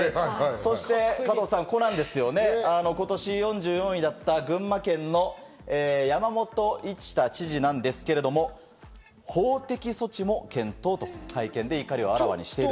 そして加藤さん、今年、４４位だった群馬県の山本一太知事なんですけれど、法的措置も検討と会見で怒りをあらわにしている。